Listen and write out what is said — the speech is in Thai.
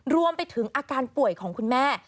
รวมไปถึงอาการป่วยของคุณแม่